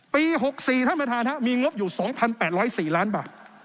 ปี๖๔มีงบอยู่๒๘๐๔ล้านบาท